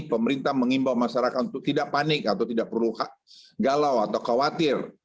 pemerintah mengimbau masyarakat untuk tidak panik atau tidak perlu galau atau khawatir